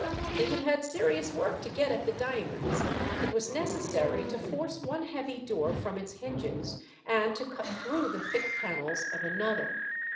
They had had serious work to get at the diamonds. It was necessary to force one heavy door from its hinges, and to cut through the thick panels of another.